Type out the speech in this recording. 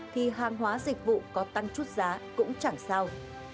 thì hàng hóa dịch vụ có tăng chút giá cũng chẳng sao